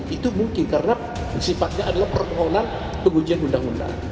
itu mungkin karena sifatnya adalah permohonan pengujian undang undang